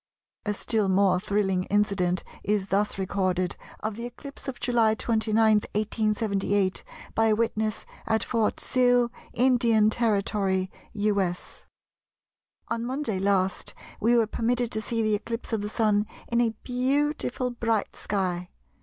A still more thrilling incident is thus recorded of the eclipse of July 29, 1878, by a witness at Fort Sill, Indian Territory, U.S.:— "On Monday last we were permitted to see the eclipse of the Sun in a beautiful bright sky.